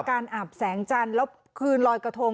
อาบแสงจันทร์แล้วคืนลอยกระทง